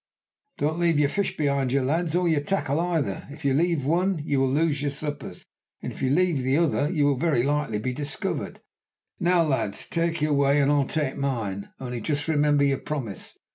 "Don't leave your fish behind you, lads, or your tackle either. If you leave one, you will lose your suppers; and if you leave the other, you will be very likely to be discovered. Now, lads, you take your way, and I'll take mine, only just remember your promise.